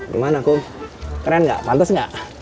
gimana kum keren gak pantes gak